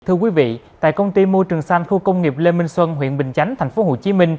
thưa quý vị tại công ty môi trường xanh khu công nghiệp lê minh xuân huyện bình chánh tp hcm